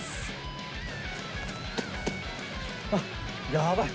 やばい！